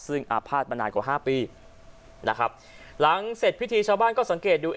ซึ่งอาภาษณ์มานานกว่าห้าปีนะครับหลังเสร็จพิธีชาวบ้านก็สังเกตดู